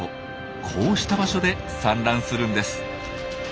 こうした場所で産卵するんです。